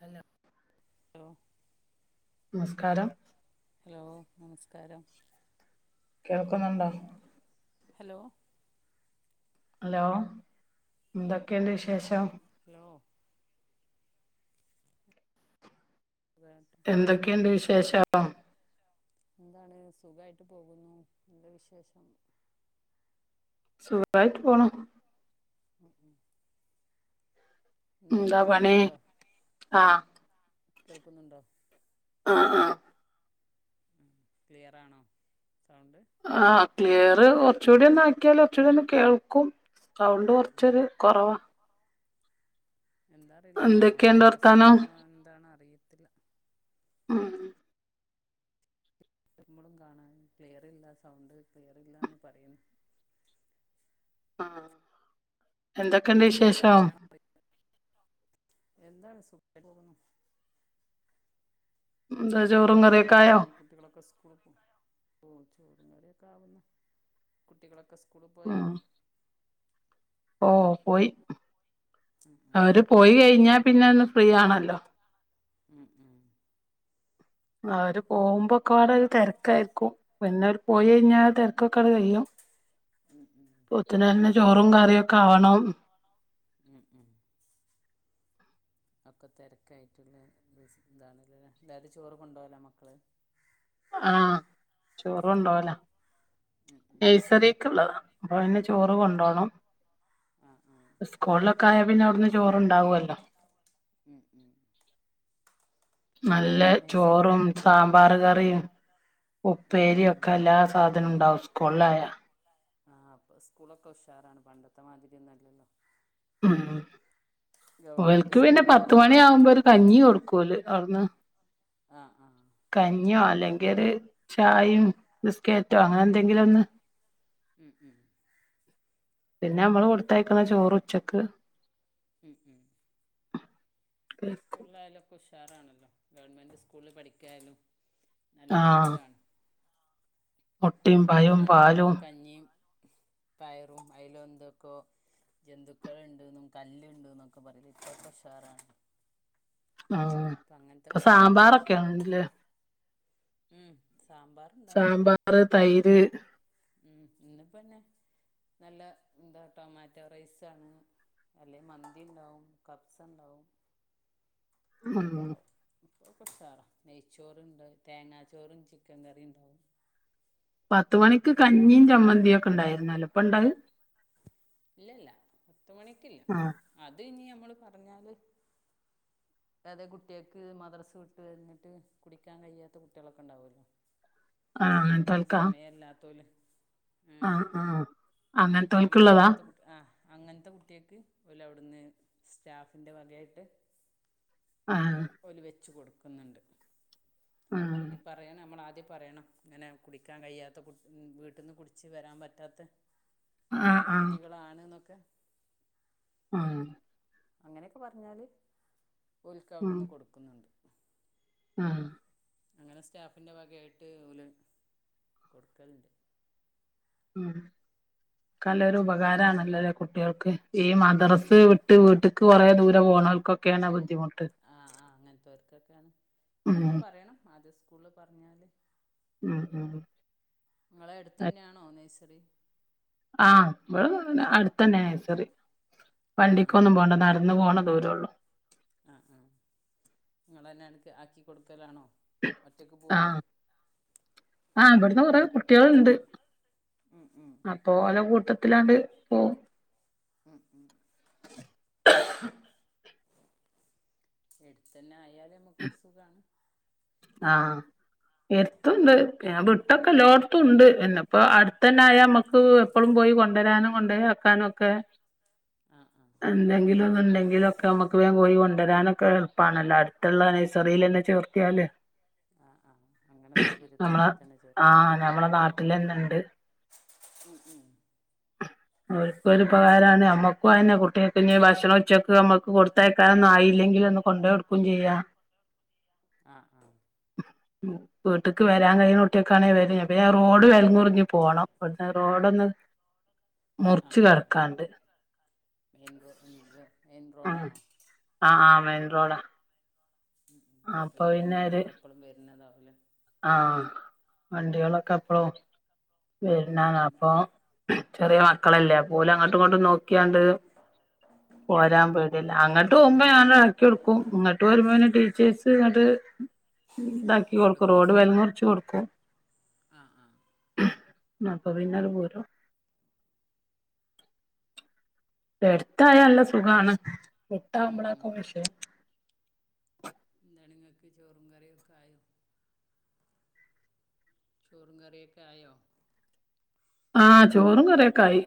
Hello hello നമസ്കാരം hello നമസ്കാരം കേൾക്കുന്നുണ്ടോ ഹലോ ഹലോ എന്തൊക്കെയുണ്ട് വിശേഷം ഹലോ [unintelligible] എന്തൊക്കെയുണ്ട് വിശേഷം എന്താണ് സുഖായിട്ട് പോകുന്നു എന്ത വിശേഷം സുഖായിട്ട് പോണു ഉം ഉം എന്താണ് എന്താ പണി കേൾക്കുന്നുണ്ടോ ആഹ് കേൾക്കുന്നുണ്ടോ ആഹ് ആഹ് ക്ലിയറാണോ സൗണ്ട് ആഹ് ക്ലിയറ് കുറച്ച്കൂടി ഒന്നാക്കിയാൽ കുറച്ചും കൂടി ഒന്ന് കേൾക്കും സൗണ്ട് ഉം കുറച്ച് ഒരു കുറവാ എന്താ അറിയില്ല ഫോണിന്റെ എന്തൊക്കെയുണ്ട് വർത്താനം പ്രശ്നണോ എന്താണോ അറിയത്തില്ല ആഹ് നമ്മളും കാണാൻ ക്ലിയർ ഇല്ല സൗണ്ട് ക്ലിയർല്ലാന്ന് പറയുന്നു ആഹ് എന്തൊക്കെയുണ്ട് വിശേഷം [unintelligible] എന്താണ് സുഖായിട്ട് പോകുന്നു എന്താ ചോറും കറിയക് എന്തായി കുട്ടികളൊക്കെ സ്കൂളി പോയോ ചോറും കറി ഒക്കെ ആവുന്നു കുട്ടികളൊക്കെ സ്കൂളിൽ പോയോ ഓഹ് പോയി ഉം ഉം അവര് പോയി കഴിഞ്ഞാ പിന്നെ ഒന്ന് ഫ്രീ ആണല്ലോ ഉം ഉം അവര് പോകുമ്പോക്കെ ഇവിടെ ഒരു തിരക്കായിരിക്കും പിന്നെ അവര് പോയി ഉം കഴിഞ്ഞാ തിരക് ക്കൊക്കെ കഴിയും ഉം ഉം അപ്പോത്തേന് തന്നെ അപ്പളാണ് ഇത് ചോറും കറിയൊക്കെ ആവണം ഉം ഉം ഒക്കെ തിരക്കായിട്ടുള്ള ഇതാണല്ലെ എല്ലാരും ചോറ് കൊണ്ടോയല്ലോ മക്കള് ആഹ് ചോറ്കൊണ്ടോകല ഉം ഉം നഴ്സറീക്ക്‌ ഉള്ളതാ അപ്പ അതിന് ചോറ് കൊണ്ടോണം ആഹ് ആഹ് സ്കൂളിലക്കെ ആയാൽ പിന്നെ അവിടുന്ന് ചോറുണ്ടാവകുവല്ലോ. ഉം ഉം നല്ല എവിടെയാണ് നഴ്സറി ചോറും ദൂരെയാണ് സാമ്പാറു കറിം ഉം ഉപ്പേരി ഉം ഒക്കെ എല്ലാ സാധനവും ഉണ്ടാവും ഇസ്കൂളി ആയ ആഹ് അപ്പൊ സ്കൂളൊക്കെ ഉഷാറാണ് പണ്ടത്തെ മാതിരിയൊന്നുവല്ലല്ലോ ഉം ഗവൺമെൻറ് ഓല്ക്ക് പിന്നെ പത്തു സ്കൂളായാലും മണി നല്ല ആകുമ്പോ ഒരു കഞ്ഞി കൊടുക്കൂല് അവിടന്ന്. ആഹ് ആഹ് കഞ്ഞിയോ അല്ലെങ്കിൽ ഒരു ചായും ബിസ്കറ്റോ അങ്ങനെ എന്തെങ്കിലും ഒന്ന് മം മം പിന്നെ നമ്മള് കൊടുത്തയക്കുന്ന ചോറ് ഉച്ചക്ക് മം മം ഇപ്പൊ കഴിക്കും സ്കൂളിലായാലുക്കെ ഉഷാറാണല്ലോ ഗവണ്മെന്റ് സ്കൂളിൽ പഠിക്കായലും. നല്ല ആഹ് ഫുഡാണ്. മുട്ടയും പഴവും പണ്ടൊക്കെ പാലും ആയിരുന്നു കഞ്ഞിയും പയറും അയില് എന്തൊക്കോ ജന്തുക്കളുണ്ടെന്നും കല്ലണ്ടന്നൊക്കെ പറയല് ഇപ്പൊക്കെ ഉഷാറാണ്. ആഹ് അങ്ങനത്തെ ഇപ്പൊ പ്രശ്നങ്ങളൊന്നുമില്ല സാമ്പാറൊക്കെയ ആണല്ലേ. മം സാമ്പാർ സാമ്പാർ തൈര് ഉം ഇന്നിപ്പോന്ന നല്ല എന്താ ടൊമാറ്റോ റൈസാണ്. അല്ലെ മന്തി ഇണ്ടാവും കബ്സ ഇണ്ടാവും ഉം അതോക്കെണ്ടാവും. ഇപ്പൊക്കെ ഉഷാറാ. നെയ്ച്ചോറണ്ട് തേങ്ങാച്ചോറും ചിക്കൻ കറി ഇണ്ടാവും. പത്ത് മണിക്ക് കഞ്ഞി ചമ്മന്തി ചമ്മന്തി ഇണ്ടായിരുന്നല്ലോ ഇപ്പ ഇണ്ടാല് ഇല്ലലല്ല പത്ത് മണിക്കില്ല. ആഹ് അത് ഇനി നമ്മൾ പറഞ്ഞാല് അതെ കുട്ടികൾക്ക് മദ്രസ് വിട്ടഴിഞ്ഞിട്ട് കുടിക്കാൻ കഴിയാത്ത കുട്ടിളൊക്കെ ഇണ്ടാവുല്ലോ ആഹ് വന്ന് അങ്ങനത്തോൽക്കാ സമയല്ലാത്തോല് ആഹ് ആഹ്. അങ്ങനതോല്ക്കുള്ളതാ? ആഹ് അങ്ങനത്തെ കുട്ടിയക്ക് ഓല് അവിടുന്ന് സ്റ്റാഫിൻ്റെ വകയായിട്ട് ആഹ് ഓല് വെച്ച് കൊടുക്കുന്നുണ്ട്. ആഹ് അയിനി പറയാൻ നമ്മള് ആദ്യം പറയണം. ഇങ്ങനെ കുടിക്കാൻ കഴിയാത്ത കു വീട്ടിൽന്ന് കുടിച്ച് വരാൻ പറ്റാത്ത ആഹ് ആഹ് കുട്ടികളാണ് ന്നൊക്കെ ആഹ് അങ്ങനെയൊക്കെ പറഞ്ഞാല് ഓല്ക്ക് ഉം അവിടുന്ന് കൊടുക്കുന്നുണ്ട് ആഹ് അങ്ങനെ സ്റ്റാഫിൻ്റെ വകയായിട്ട് ഓല് കൊടുക്കലൊണ്ട്. ഉം ഇക്കാലൊരു ഉപകാരമാണല്ലോല്ലേ കുട്ടികൾക്ക്. ഈ ഉം മദ്രാസ് ഉം വിട്ട് വീട്ടക്ക് കുറേ ദൂരെ പോണോൽക്കൊക്കെയാണ് ബുദ്ധിമുട്ട് ആഹ് ആഹ് അങ്ങനതൊർകന്നേ അതൊക്കെയണ് ഉം നമ്മള് പറയണം ആദ്യ സ്കൂൾ പറഞ്ഞാല് ഉം ഉം ഇങ്ങളെ എടുത്തന്നെയാണോ നഴ്സറി ആഹ് [unintelligible] അടുത്തന്നെ നഴ്സറി ആഹ് ആഹ് വണ്ടിക്കൊന്നും പോണ്ട ന എന്നുപോണ ദൂരം ഒള്ളൂ. ആഹ് ആഹ് നിങ്ങളന്നെ എനക്ക് ആക്കികൊടുക്കലാണോ. ഒറ്റക്ക് പോവോ ആഹ് ആഹ് ഇബ്ട്ന്ന് കൊറേ കുട്ട്യേൾണ്ട്. ഉം ഉം അഹ് പ്പോ ഓല കൂട്ടത്തിലാണ്ട് പോവും. ഉം ഉം. എടുത്തന്നായ് യാൽ നമ്മക്കൊരു സുഖാണ്. ആഹ്. എര്ത്തൂണ്ട് പിന്നെ വിട്ടൊക്കെ എല്ലോട്ത്തുണ്ട്. പിന്നെ ഇപ്പൊ അടുത്തന്നായാ നമ്മക്ക് എപ്പളും പോയി കൊണ്ടരാനും കൊണ്ടോയാക്കാനൊക്കെ ആഹ് ആഹ്. എന്തെങ്കിലു ഒന്ന് ഇണ്ടെങ്കിലൊ ക്കെ നമ്മക്ക് വേം പോയി കൊണ്ടരാനൊക്കെ എളുപ്പാണല്ലോ അട്ത്ത്ള്ള നഴ്സറീലെന്നെ ചേർത്ത്യാല്. ആഹ് ആഹ്. അങ്ങനെ സൗകര്യത്തിന് നമ്മളെ അടുത്തന്നെ ചേർത്തി. ആഹ് നമ്മളെ നാട്ടിലന്നെണ്ട് ഉം ഉം അവര്ക്കൊരുപകാരാണ്. നമ്മക്കു അതന്നെ കുട്ട്യേക്കിഞ്ഞ് ഭക്ഷണം ഉച്ചക്ക് നമ്മക്ക് കൊട് ത്തയക്കാനൊന്നും ആയില്ലെങ്കിലൊന്ന് കൊണ്ടോയോട്ക്കും ചെയ്യാ. ആഹ് ആഹ്. ഉം. വീട്ട്ക്ക് വരാൻ കയ്യ്ണ കുട്ട്യേക്കാണെ വരേ. പിന്നെ റോഡ് വെലങ്ങുർഞ്ഞ് പോണം. ഇവട്ന്ന് റോഡൊന്ന് മുറിച്ച് ആഹ് ആഹ് കെടക്കാണ്ട് മെയിൻറോ മ്മ് [unintelligible] ഉം ആഹ് ആഹ് മെയിൻറോഡാ. ഉം ഉം. അപ്പൊപിന്നെ വണ്ടികളൊക്കെ എപ്പളും വര്നതാവൂല്ലെ. ആഹ് വണ്ടികളൊക്കെ എപ്പളും ഉം വര്നാണ്. ഉം അപ്പം ചെറിയ മക്കളല്ലേ അപ്പോ ഓലങ്ങട്ടും ഇങ്ങട്ടും നോക്കിയാണ്ട് പോരാൻ ഉം ഉം പേട്യല്ലെ. അങ്ങട്ടോവുമ്പം ഞാനടാ ക്ക്യൊടുക്കും. ഇങ്ങട്ട് വരുമ്പോ പിന്നെ ട്ടീച്ചേഴ്സ് ഇങ്ങട്ട് ഇതാക്കി കൊട്ക്കും റോഡ് ക്രോസ് വെല്ങ്ങ് ചെയ്തോളും മുർച്ച് കൊട്ക്കും. ആ ആ അപ്പ പിന്നത് പോരും. എട്ത്തായ നല്ല സുഖാണ്. ഉം വിട്ടാവുമ്പളാ ഉം ഒക്ക വിഷയം. എന്താണ് ങ്ങക്ക് ചോറും കറിയൊക്കായോ? ചോറും കറിയൊക്കെ ആയോ? ആഹ് ചോറും കറിയൊക്കായി.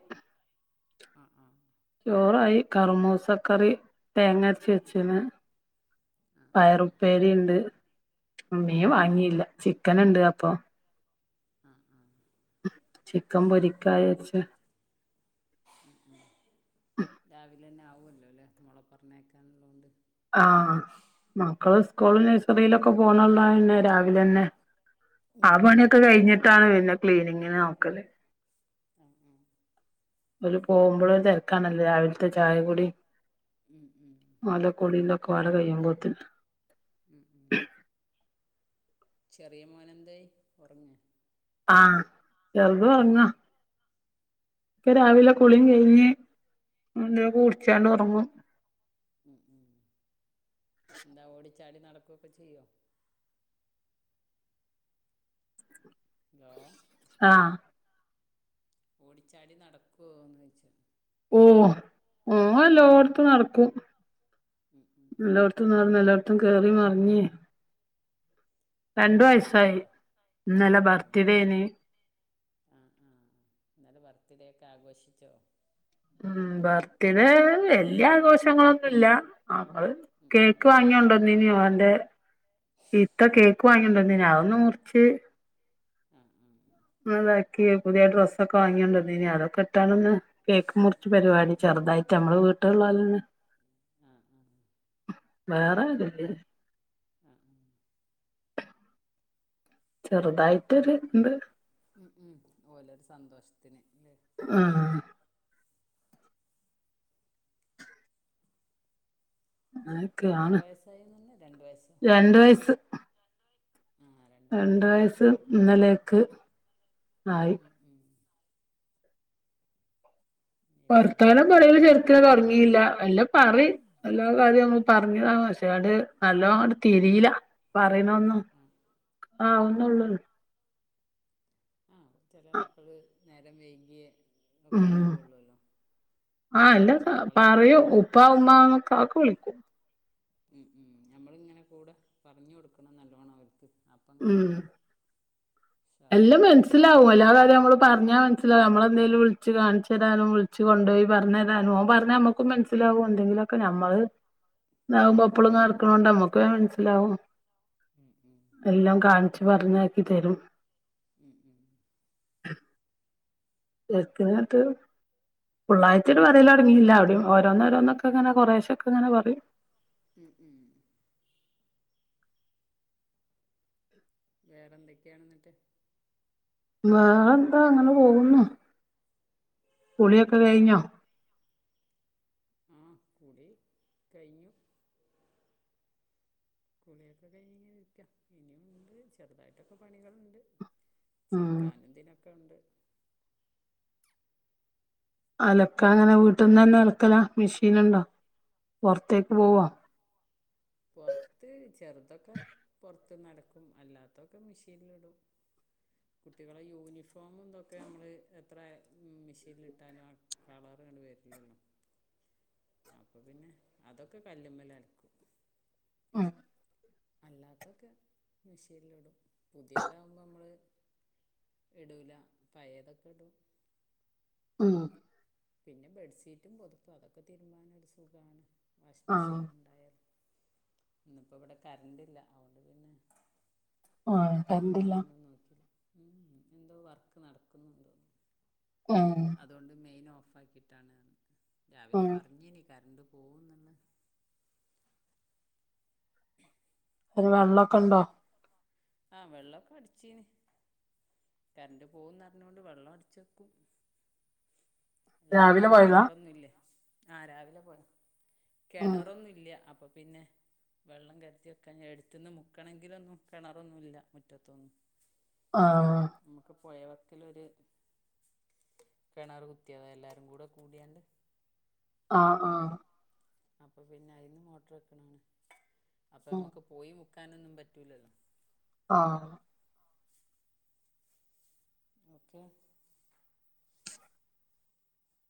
ആഹ് ആഹ്. ചോറായി കറുമൂസക്കറി തേങ്ങര് ച്ച് വെച്ച്ണ് ആ പയറും. ഉപ്പേരിണ്ട്, മീൻ വാങ്ങീല്ല. ചിക്കന്ണ്ട്. അപ്പൊ, ആഹ് ആഹ്. ചിക്കൻ പൊരിക്കാ വിയാര്ച്ച്. ഉം ഉം. രാവിലെന്നെ ആവോല്ലോ ല്ലേ മോളെ പറഞ്ഞയ്ക്കാൻ ഇള്ളോണ്ട്. ആഹ്. മക്കള് സ്കൂൾലും നഴ്സറീലൊക്കെ പോണത്ണ്ടായാ പിന്നെ രാവിലെന്നെ, ആ ഉം പണ്യൊക്കെ കഴിഞ്ഞിട്ടാണ് പിന്നെ ക്ലീനിങ്ങിന് നോക്കല്. ആഹ് ആഹ്. ഓല് പോവുമ്പളും തെര്ക്കാണല്ലോ രാവിൽത്തെ ചായ കുടി. ഉം ഉം ഓലെ കുളിം ഇല്ലൊക്കെ പാടെ കയ്യുമ്പോത്തിന്. ഉം ഉം. ചെറിയ മോനെന്തായി ഒറങ്ങേ? ആഹ് ചെർത് ഒർങ്ങാ. പ്പൊ രാവിലെ കുളിംകയ്ഞ്ഞ് എന്തെലൊക്കെ കുട്ച്ചാണ്ട് ഒറങ്ങും. ഉം ഉം എന്താ ഓടിച്ചാടി നടക്കൊക്കെ ചെയ്യോ. ലോ. ആഹ്. ഓടിച്ചാടി നടക്കോന്നോയ്ച്ച. ഓഹ് ഓൻ ഉം എല്ലോട്ത്തു നടക്കും ഉം ഉം എല്ലോട് ത്തും നട്ന്ന് എല്ലോട്ത്തും കേറി മർഞ്ഞ് വയസ്സായി പിത്തനെക്കണ്ടോ ഇന്നലെ ആഹ് ആഹ്. ബർത്ത്ഡേനി ആഹ് ആഹ് ഇന്നലെ ബർത്ത്ഡേയൊക്കെ ആഘോഷിച്ചോ. ഉം ബർത്ത്ഡേ വല്ല്യാഘോഷ ഷങ്ങളൊന്നുല്ല ആഹ് ങ്ങള് ഉം ഉം കേക്ക് വാങ്ങിയോണ്ടന്നീനി ഓന്റെ ഇത്ത കേക്ക് വാങ്ങിയൊണ്ടന്നീന് അതൊന്ന് മുർച്ച് ആഹ് ആഹ്. ഒന്ന്താക്കി പുതിയ ഡ്രസ്സൊക്കെ വാങ്ങിയൊണ്ടന്നീനി അതൊക്കെ ഇട്ടാണ്ട്ന്ന്. കേക്ക് മുർച്ച് പരിപാടി ചെറ്തായിട്ട് ഞ്ഞമ്മള വീട്ടല്ള്ളോലന്നെ. ആഹ് ആഹ്. വേറേ [unintelligible] ആഹ് ആഹ് ചെറുതായിട്ടൊര്. ഉം ഉം ഓലൊരു സന്തോഷത്തിന് ലേ. ആഹ്. എത്ര അങ്ങനൊക്കെയാണ് വയസ്സായിന്ന് പറഞ്ഞെ രണ്ട് വയസ്സോ രണ്ട് വയസ്സ്. ആഹ് രണ്ട് രണ്ടാമത്തെ വയസ്സ് ബർത്ത്ഡേയിരുന്നൂലേ ഇന്നലേക്ക് ആയി ഉം ഉം. ഇനിയിപ്പോൾ അടുത്ത വർത്താനം കൊല്ലം പറയല് മുതൽ ശെരിക്ക്ന് പറഞ്ഞാൽ തൊടങ്ങീല്ല മെല്ലെ പറയും എല്ലാ കാര്യം നമ്മള് ഉം പറഞ്ഞതാ ഉം മാഷ [unintelligible] നല്ലോ അങ്ങട് തിരില പറയുന്നതൊന്നും ആ ആഹ് ആ ആ ഒന്നൊള്ളൂ. ആഹ് ചെല മക്കള് നേരം വൈകിയേ ഇതൊക്കെ ഉം ആവുള്ളൊല്ലോ. ആഹ് എല്ലാ പാ പറയൂ ഉപ്പാ ഉമ്മാന്നൊക്കെ അതൊക്കെ വിളിക്കു. ഉം ഉം ഞമ്മളിങ്ങനെ കൂടെ പറഞ്ഞ് കൊടുക്കണം നല്ലോണം അവർക്ക് അപ് പ്പങ്ങട്ട്. എല്ലം മൻസ്സിൽ. ലാവും എല്ലാ കാര്യം ഞമ്മള് പറഞ്ഞാ മനസിലാക നമ്മളെന്തെങ്കിലും വിൾച്ച് കാണിച്ചരാനും വിളിച്ച് കൊണ്ടോയി പറഞ്ഞര് രാനും ഓൻ പറഞ്ഞാ അമ്മക്കും മനസ്സിലാവും എന്തെങ്കിലൊക്കെ ഞമ്മള്. ഉം ഇതാവുമ്പൊ ഉം എപ്പളും നട്ക്കണോണ്ട് നമ്മക്ക് വേം മനസ്സിലാവും. ഉം ഉം. എല്ലാം കാണിച്ച് പറഞ്ഞാക്കി തരും. ഉം ഉം. [inaudible] ശെര്ക്ക്ന്ങട്ട് ഫുള്ളായിട്ടൊരു പറയല്തൊട്ങ്ങില്ല ഒരു. ഓരോന്നോരോന്നൊക്കങ്ങനെ കൊറേശെക്കങ്ങനെ പറയും. ഉം ഉം. വേറെന്തൊക്കെയാണ്ന്നട്ട്. വേറെന്താ അങ്ങനെ പോകുന്നു കുളിയൊക്കെ കഴിഞ്ഞോ. ആഹ് കുളി കയ്ഞ്ഞു. കുളിയൊക്കെ കഴിഞ്ഞിങ്ങനെ ഇരിക്ക ഇനിയും ഉണ്ട് ചെറുതായിട്ടൊക്കെ പണികള്ണ്ട്. ഉം ചിക്കാനും ദിനൊക്കെ ഉണ്ട്. അലക്കാനങ്ങനെ വീട്ടിന്നന്നെ അലക്കലാ മിഷീനൊണ്ടോ പൊറത്തേക്ക് പോവോ പൊറത്ത് ചെറുതൊക്കെ പൊറത്തുന്നലക്കും അല്ലാത്തൊക്കെ മിഷീനിലിടും. കുട്ടികളെ യൂനിഫോമും ഇതൊക്കെ നമ്മള് എത്രേ മിഷീൻലിട്ടാലും ആ കളറങ്ങട് വരില്ലല്ലോ. അപ്പൊ പിന്നെ അതൊക്കെ കല്ലുമ്മേലലക്കും. അം അല്ലാത്തൊക്കെ മിഷീനിലിടും പുതിയതാവുമ്പ നമ്മള് ഇടൂല പയേതൊക്ക ഇടും. ആ പിന്നെ ബെഡ്സീറ്റും പൊതപ്പും അതൊക്കെ തിരുമ്മാനൊരു സുഖാണ്. ആഹ് വാഷിങ്ങ്മെഷീനിലൊണ്ടായാല് ഇന്നിപ്പോ ഇവിടെ കരണ്ടില്ല അവോണ്ടുപിന്നെ ആഹ് കരണ്ടില്ല തിരുമ്പാനൊന്നും നോക്കീലാ ഊം എന്തോ വർക്ക് നടക്കുന്നോണ്ട്. ഉം അതുകൊണ്ട് മെയിൻ ഓഫാക്കിട്ടാണ് രാവിലെ ഉം പറഞ്ഞീനി കറണ്ടു പോവുന്നന്ന്. അത് നമ്മക്കൊണ്ടോ ആ വെള്ളൊക്കെ അടിച്ചീന്. കറണ്ടു പോവുന്നറിഞ്ഞോണ്ട് വെള്ളം അടിച്ചെക്കും. അല്ല രാവിലെ ഞമ്മക്ക് പോയതാ കെണറൊന്നുല്ല്യേ ആ രാവിലെ പോരാ ഉം കെണറൊന്നുല്ല്യ അപ്പൊ പിന്നെ വെള്ളം കരുതി വെക്കാഞ്ഞാ എടുത്തൊന്ന് മുക്കണെങ്കിലൊന്നും കെണറൊന്നുല്ലാ മുറ്റത്തൊന്നും. ആഹ് നമ്മക്ക് പൊഴവക്കിലൊര്. കെണറു കുത്തിയതാ എല്ലാരുംകൂടെ കൂടിയാണ്ട്. ആ ആ അപ്പൊ പിന്നെ അയ്ന് മോട്ടറ് വെക്കണാണ് അപ്പൊ ഉം ഞമ്മക്ക് പോയി മു ക്കാനൊന്നും പറ്റൂല്ലല്ലോ ആഹ്. [inaudible] ഓക്കെ